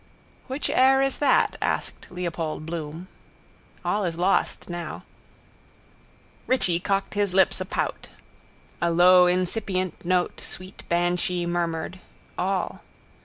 —Which air is that? asked Leopold Bloom. —All is lost now. Richie cocked his lips apout. A low incipient note sweet banshee murmured: all.